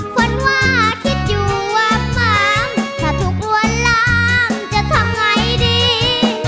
ฝนว่าคิดอยู่อับม้ำถ้าทุกวันล้างจะทำไงดี